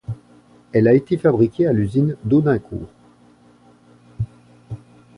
Elle a été fabriquée à l'usine d'Audincourt.